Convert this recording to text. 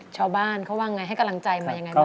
ชาวบ้านเขาบ้างไงให้กำลังใจมาอย่างไรบ้างคะ